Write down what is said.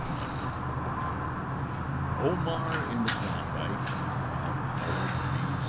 ] OMAR IN THE KLONDYKE BY HOWARD V.